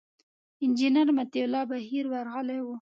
انجینر مطیع الله بهیر ورغلي و.